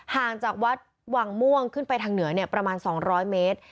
ห่างจากวัดวังม่วงขึ้นไปทางเหนือประมาณ๒๐๐เมตร